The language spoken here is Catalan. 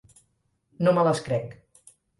No me les crec.